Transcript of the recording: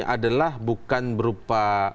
adalah bukan berupa